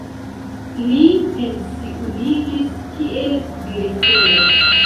Li pensiuliĝis kiel direktoro.